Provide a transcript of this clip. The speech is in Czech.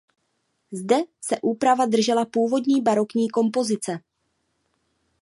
Zde se úprava držela původní barokní kompozice.